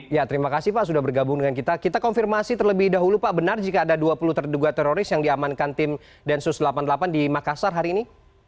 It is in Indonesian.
ya terima kasih pak sudah bergabung dengan kita kita konfirmasi terlebih dahulu pak benar jika ada dua puluh terduga teroris yang diamankan tim densus delapan puluh delapan di makassar hari ini